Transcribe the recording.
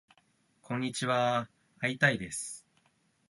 こんにちはーー会いたいです